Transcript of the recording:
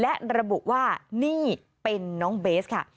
และระบุว่านี่เป็นน้องเบสค่ะ